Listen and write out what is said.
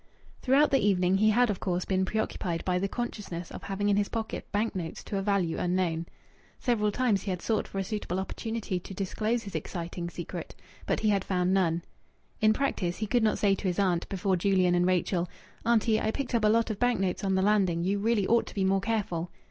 Throughout the evening he had of course been preoccupied by the consciousness of having in his pocket bank notes to a value unknown. Several times he had sought for a suitable opportunity to disclose his exciting secret. But he had found none. In practice he could not say to his aunt, before Julian and Rachel: "Auntie, I picked up a lot of bank notes on the landing. You really ought to be more careful!"